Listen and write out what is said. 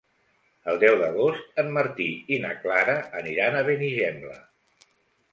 El deu d'agost en Martí i na Clara aniran a Benigembla.